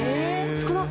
少なっ！